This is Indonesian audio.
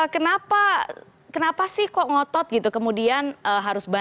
kenapa kenapa sih kok ngotot gitu kemudian harus bayar